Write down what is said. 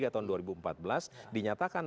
dua puluh tiga tahun dua ribu empat belas dinyatakan